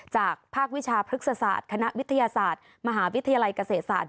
จากภาควิชาพฤกษศาสตร์คณะวิทยาศาสตร์มหาวิทยาลัยเกษตรศาสตร์